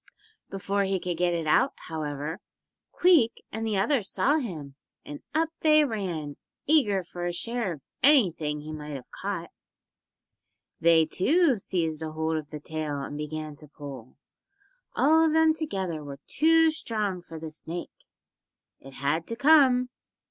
Before he could get it out, however, Queek and the others saw him, and up they ran, eager for a share of anything he might have caught. They, too, seized hold of the tail and began to pull. All of them together were too strong for the snake. It had to come.